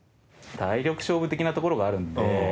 体力勝負的なところがあるんで。